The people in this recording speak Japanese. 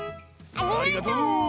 ありがとう！